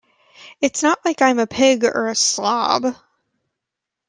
It's not like I'm a pig or a slob.